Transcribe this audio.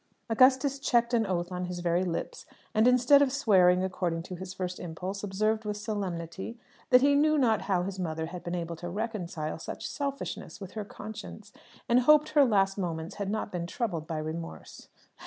Augustus checked an oath on his very lips, and, instead of swearing according to his first impulse, observed with solemnity that he knew not how his mother had been able to reconcile such selfishness with her conscience, and hoped her last moments had not been troubled by remorse.